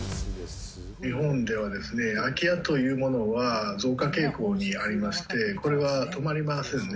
日本では空き家というものが増加傾向にありまして、これは止まりませんね。